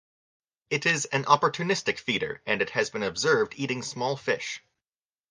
It is an opportunistic feeder, and has been observed eating small fish.